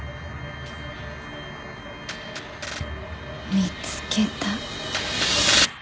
見つけた。